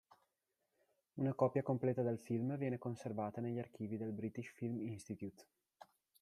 Una copia completa del film viene conservata negli archivi del British Film Institute.